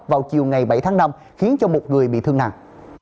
vào chiều ngày bảy tháng năm khiến cho một người bị thương nặng